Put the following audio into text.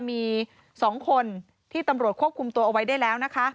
มี๒คนที่ตำรวจควบคุมตัวเอาไว้ได้แล้วนะคะ